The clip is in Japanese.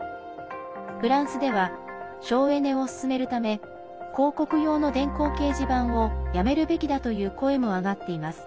フランスでは省エネを進めるため広告用の電光掲示板をやめるべきだという声も上がっています。